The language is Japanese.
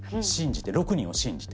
６人を信じて。